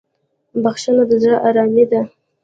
بخښنه د زړه ارامي ده.